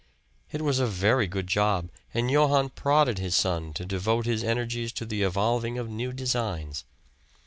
It was a very good job, and Johann prodded his son to devote his energies to the evolving of new designs.